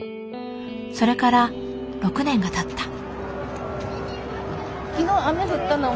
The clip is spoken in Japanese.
それから６年がたった。